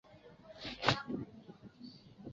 大战乡是中国浙江省仙居县所辖的一个镇。